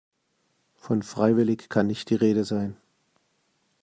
Von freiwillig kann nicht die Rede sein.